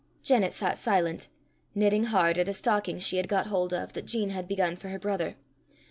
Janet sat silent, knitting hard at a stocking she had got hold of, that Jean had begun for her brother.